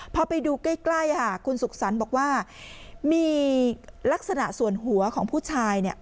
พอไปดูใกล้คุณสุขสรรค์บอกว่ามีลักษณะส่วนหัวของผู้ชายเนี่ย